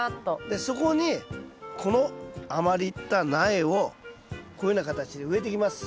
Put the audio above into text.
でそこにこの余った苗をこういうふうな形で植えていきます。